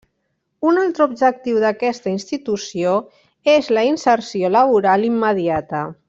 Un altre objectiu d'aquesta institució és la inserció laboral immediata.